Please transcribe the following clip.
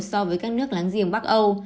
so với các nước láng giềng bắc âu